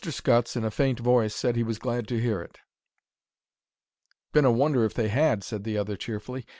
Scutts, in a faint voice, said he was glad to hear it. "Been a wonder if they had," said the other, cheerfully.